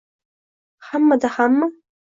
-Hammada ham-mi?